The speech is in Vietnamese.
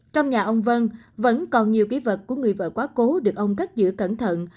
trong nhà ông vân vẫn còn nhiều ký vật của người vợ quá cố được ông cất giữ cẩn thận